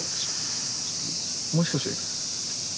もしかして向坂？